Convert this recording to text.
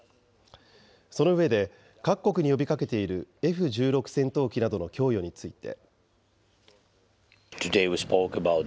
その上で各国に呼びかけているＦ１６戦闘機などの供与について。